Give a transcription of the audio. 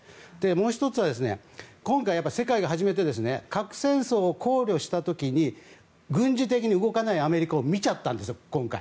もう１つは今回、世界が初めて核戦争を考慮した時に軍事的に動かないアメリカを今回、見ちゃったんですよ。